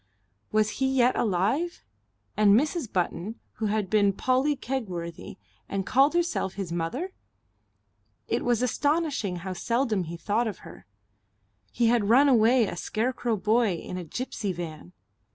Was he yet alive? And Mrs. Button, who had been Polly Kegworthy and called herself his mother? It was astonishing how seldom he thought of her.... He had run away a scarecrow boy in a gipsy van.